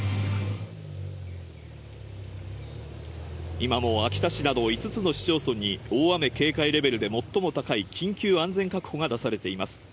今も秋田市など５つの市町村に、大雨警戒レベルで最も高い緊急安全確保が出されています。